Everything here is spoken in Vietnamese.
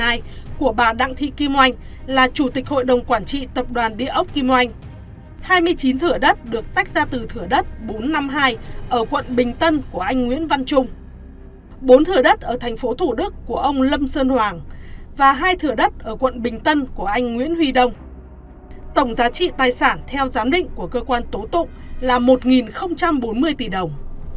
hãy đăng kí cho kênh lalaschool để không bỏ lỡ những video hấp dẫn